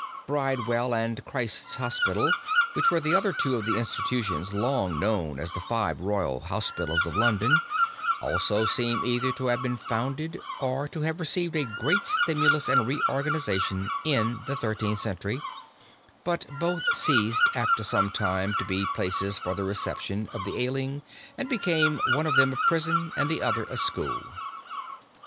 Bridewell and Christ's Hospital, which were the other two of the institutions long known as the five Royal Hospitals of London, also seem either to have been founded, or to have received a great stimulus and reorganization in the Thirteenth Century, but both ceased after some time to be places for the reception, of the ailing and became, one of them a prison and the other a school.